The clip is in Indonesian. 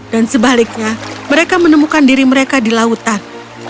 dan sebaliknya mereka menemukan diri mereka di lautan